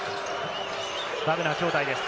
バグナー兄弟です。